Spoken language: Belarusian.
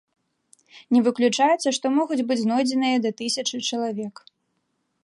Не выключаецца, што могуць быць знойдзеныя да тысячы чалавек.